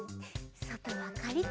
そとはカリッと。